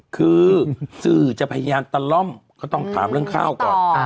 คือสื่อจะพยายามตะล่อมก็ต้องถามเรื่องข้าวก่อน